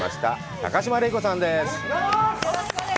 高島礼子さんです。